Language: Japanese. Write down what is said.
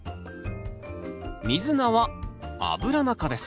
ミズナはアブラナ科です